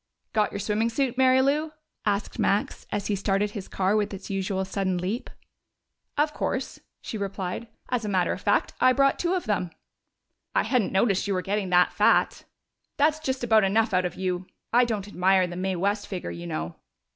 "Got your swimming suit, Mary Lou?" asked Max, as he started his car with its usual sudden leap. "Of course," she replied. "As a matter of fact, I brought two of them." "I hadn't noticed you were getting that fat!" "That's just about enough out of you! I don't admire the Mae West figure, you know."